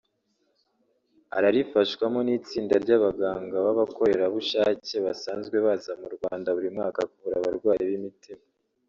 Ararifashwamo n’itsinda ry’abaganga b’abakorerabushake basanzwe baza mu Rwanda buri mwaka kuvura abarwayi b’imitima